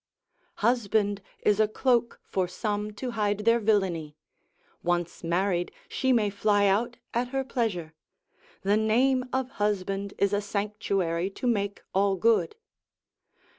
Husband is a cloak for some to hide their villainy; once married she may fly out at her pleasure, the name of husband is a sanctuary to make all good.